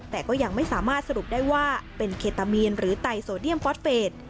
แต่ก็ยังไม่สามารถสรุปได้ว่าเป็นเคตามีนหรือไตโซเดียมฟอสเฟส